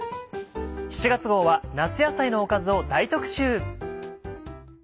７月号は夏野菜のおかずを大特集。